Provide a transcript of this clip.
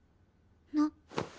なっ。